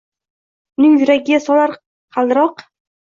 Uning yuragiga solar qaldiroq.